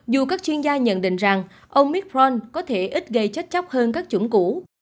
dù các chuyên gia nhận định rằng omicron có thể ít gây chết chóc hơn các chủng cũ